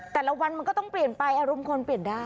แต่ละวันมันก็ต้องเปลี่ยนไปอารมณ์คนเปลี่ยนได้